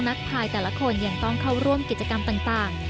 ภายแต่ละคนยังต้องเข้าร่วมกิจกรรมต่าง